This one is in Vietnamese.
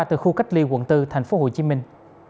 từ khu cách ly quận bốn thành phố hồ chí minh